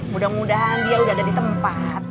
mudah mudahan dia udah ada di tempat